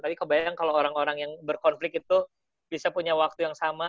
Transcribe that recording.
tapi kebayang kalau orang orang yang berkonflik itu bisa punya waktu yang sama